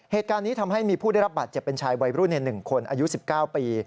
เหตุการณ์นี้ทำให้มีผู้ได้รับบาดเจ็บเป็นชายวัยรุ่นใน๑คนอายุ๑๙ปี